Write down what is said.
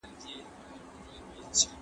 د ږدن په پټي کي به له ډاره اتڼ ړنګ سي.